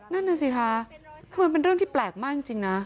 นั่นน่ะสิคะคือมันเป็นเรื่องที่แปลกมากจริงนะ